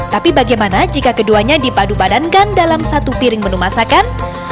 tapi bagaimana jika keduanya dipadu padankan dalam satu piring menu masakan